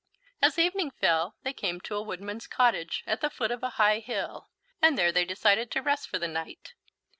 As evening fell they came to a woodman's cottage at the foot of a high hill, and there they decided to rest for the night.